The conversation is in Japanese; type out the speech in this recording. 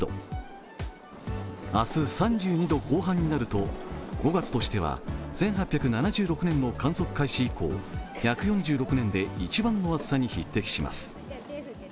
明日３２度後半になると５月としては１８７６年の観測開始以降１４６年で一番の暑さに匹敵します。